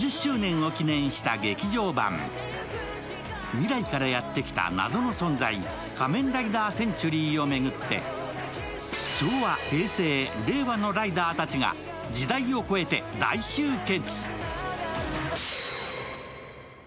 未来からやってきた謎の存在、仮面ライダーセンチュリーを巡って、昭和、平成、令和のライダーたちが時代を超えて大集結。